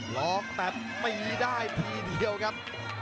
ล็อกแต่ตีได้ทีเดียวครับ